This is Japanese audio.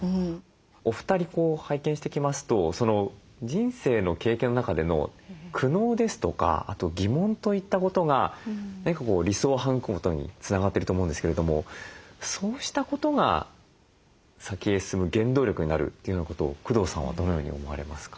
お二人こう拝見してきますと人生の経験の中での苦悩ですとかあと疑問といったことが何か理想を育むことにつながってると思うんですけれどもそうしたことが先へ進む原動力になるというようなことを工藤さんはどのように思われますか？